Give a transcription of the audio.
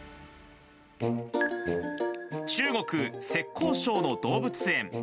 中国・浙江省の動物園。